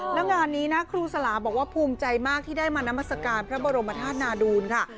แล้วงานนี้นะครูสลาบอกว่าภูมิใจมากที่ได้มานามัศกาลพระบรมธาตุนาดูลค่ะ